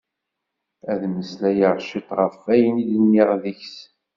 Ad mmeslayeɣ cit ɣef wayen i d-nniɣ deg-s.